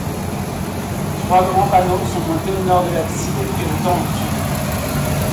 Trois grands panneaux sont montés au nord de l'abside, et autant au sud.